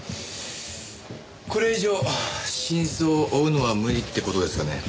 これ以上真相を追うのは無理って事ですかね？